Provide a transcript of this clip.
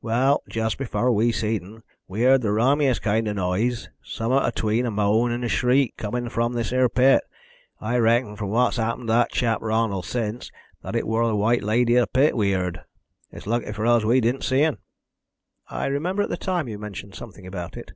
Well, just befower we seed un we heerd th' rummiest kind of noise summat atween a moan and a shriek, comin' from this 'ere pit. I reckon, from what's happened to that chap Ronald since, that it wor the White Lady of th' Pit we heered. It's lucky for us we didn't see un." "I remember at the time you mentioned something about it."